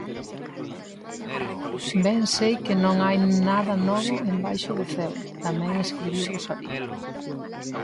Ben sei que non hai nada novo embaixo do ceo, tamén escribiu Rosalía.